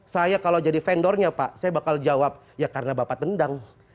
saya kalau jadi vendornya pak saya bakal jawab ya karena bapak tendang